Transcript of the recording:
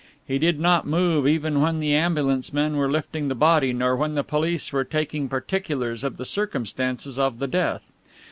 He did not move even when the ambulance men were lifting the body nor when the police were taking particulars of the circumstances of the death.